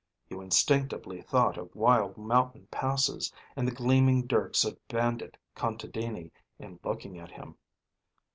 You instinctively thought of wild mountain passes, and the gleaming dirks of bandit contadini in looking at him.